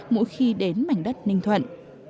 mỗi khi đến mảnh đất ninh thuận